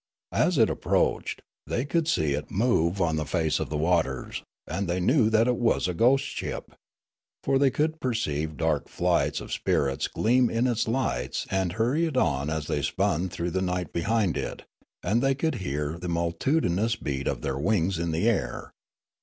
As it approached, the}' could see it move on the face of the waters, and they knew that it was a ghost ship ; for they could perceive dark flights of spirits gleam in its lights and hurry it on as they spun through the night behind it, and they could hear the multitudinous beat of their wings in the air.